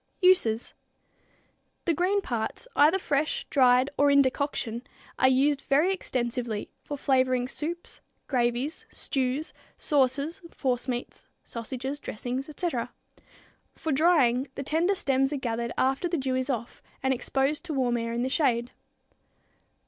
Uses. The green parts, either fresh, dried or in decoction, are used very extensively for flavoring soups, gravies, stews, sauces, forcemeats, sausages, dressings, etc. For drying, the tender stems are gathered after the dew is off and exposed to warm air in the shade.